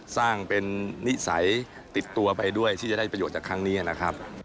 สร้างเป็นนิสัยติดตัวไปด้วยที่จะได้ประโยชน์จากครั้งนี้นะครับ